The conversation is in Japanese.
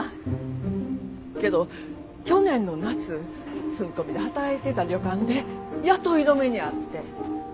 けど去年の夏住み込みで働いてた旅館で雇い止めに遭って。